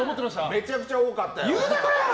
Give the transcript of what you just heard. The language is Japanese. めちゃくちゃ多かったよ。